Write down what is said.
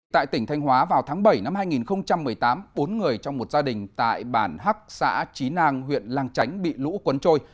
tại tỉnh thanh hóa vào tháng bảy năm hai nghìn một mươi tám bốn người trong một gia đình tại bản hắc xã trí nang huyện lang chánh bị lũ cuốn trôi